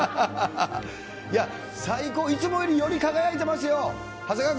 最高、いつもより、より輝いてますよ、長谷川君。